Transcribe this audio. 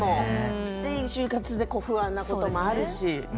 就活で不安なこともあるし。